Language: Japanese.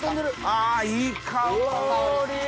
あいい香り！